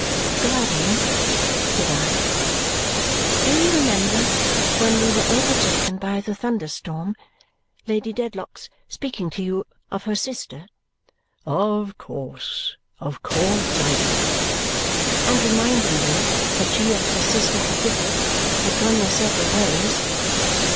"Guardian," said I, "do you remember, when we were overtaken by the thunder storm, Lady Dedlock's speaking to you of her sister?" "Of course. Of course I do." "And reminding you that she and her sister had differed, had gone their several ways?"